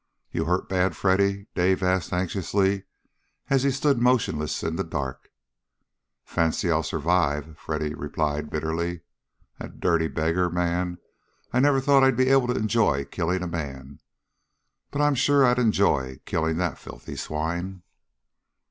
"You hurt bad, Freddy?" Dave asked anxiously as he stood motionless in the dark. "Fancy I'll survive!" Freddy replied bitterly. "The dirty beggar. Man! I never thought I'd ever be able to enjoy killing a man. But I'm sure I'd enjoy killing that filthy swine!"